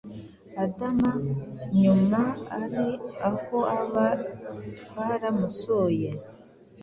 adama nyuma ari aho aba twaramusuye